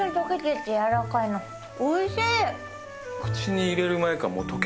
おいしい！